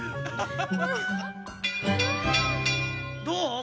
どう？